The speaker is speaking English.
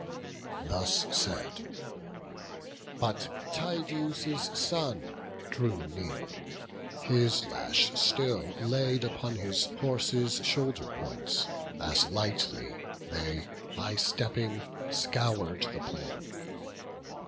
Thus he; but Tydeus' son drew near, his lash Still laid upon his horses' shoulder points; As lightly they, high stepping, scour'd the plain.